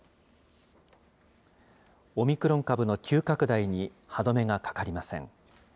オミクロン株の急拡大に歯止めがかかりません。